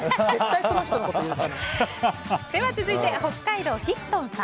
続いて、北海道の方。